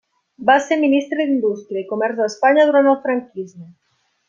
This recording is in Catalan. Va ser ministre d'Indústria i Comerç d'Espanya durant el franquisme.